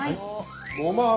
ごま油。